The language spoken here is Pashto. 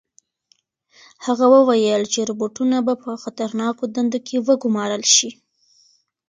هغه وویل چې روبوټونه به په خطرناکو دندو کې وګمارل شي.